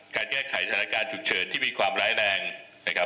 การแก้ไขสถานการณ์ฉุกเฉินที่มีความร้ายแรงนะครับ